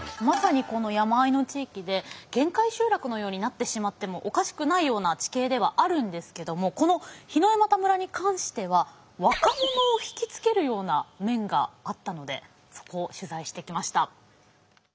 まさにこの山間の地域で限界集落のようになってしまってもおかしくないような地形ではあるんですけどもこの檜枝岐村に関しては若者をひきつけるような面があったのでそこを取材してきました。